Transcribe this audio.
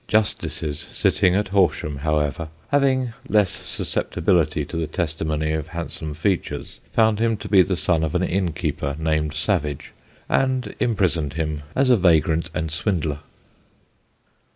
Justices sitting at Horsham, however, having less susceptibility to the testimony of handsome features, found him to be the son of an innkeeper named Savage, and imprisoned him as a vagrant and swindler.